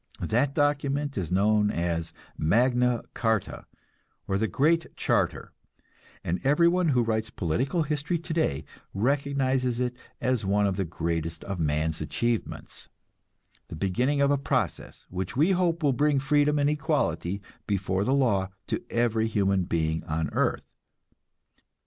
That document is known as Magna Carta, or the Great Charter, and everyone who writes political history today recognizes it as one of the greatest of man's achievements, the beginning of a process which we hope will bring freedom and equality before the law to every human being on earth.